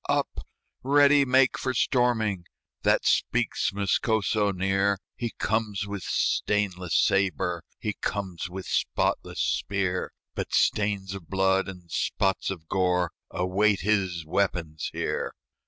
"Up! ready make for storming!" That speaks Moscoso near; He comes with stainless sabre, He comes with spotless spear; But stains of blood and spots of gore Await his weapons here.